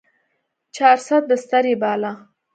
چارصد بستر يې باله.